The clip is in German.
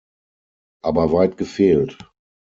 Aber weit gefehlt.